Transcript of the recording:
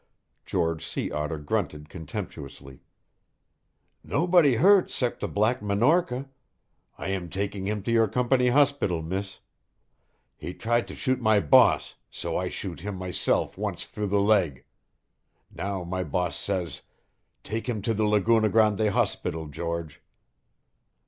George Sea Otter grunted contemptuously. "Nobody hurt 'cept the Black Minorca. I am taking him to your company hospital, miss. He tried to shoot my boss, so I shoot him myself once through the leg. Now my boss says: 'Take him to the Laguna Grande hospital, George.'